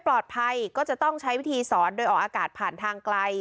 ปลอดภัยก็จะต้องใช้วิธีสอนโดยออกอากาศผ่านทางไกล